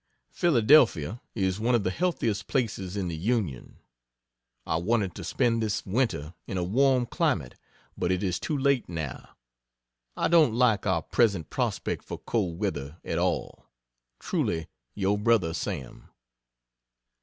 Philadelphia is one of the healthiest places in the Union. I wanted to spend this winter in a warm climate, but it is too late now. I don't like our present prospect for cold weather at all. Truly your brother SAM.